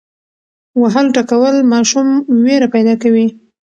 وهل ټکول ماشوم ویره پیدا کوي.